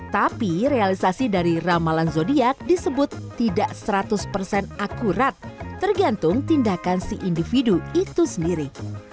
tapi realisasi dari ramalan zodiac disebut tidak seratus persen akurat tergantung tindakan si individu itu sendiri